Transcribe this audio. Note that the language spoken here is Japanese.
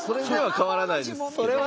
変わらないですか。